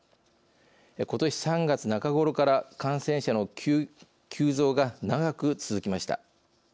ことし３月中ごろから感染者の急増が長く続きました。